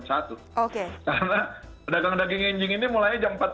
karena pedagang daging anjing ini mulai jam empat pagi